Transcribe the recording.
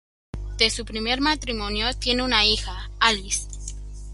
De su primer matrimonio tiene una hija, Alice.